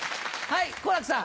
はい。